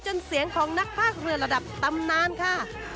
เสียงของนักภาคเรือระดับตำนานค่ะ